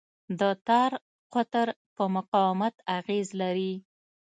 د تار قطر په مقاومت اغېز لري.